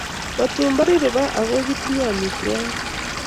matubarin ruba ago kitinye amitwogik